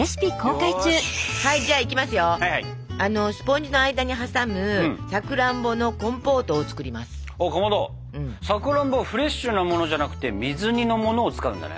かまどさくらんぼはフレッシュなものじゃなくて水煮のものを使うんだね？